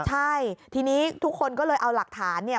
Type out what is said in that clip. ใช่ทีนี้ทุกคนก็เลยเอาหลักฐานเนี่ย